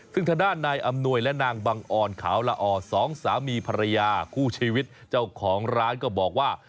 ซึ่งทางด้านนายอำนวยและนางบังออนขาวละออสองสามีภรรยาคู่ชีวิตเจ้าของร้านก็บอกว่า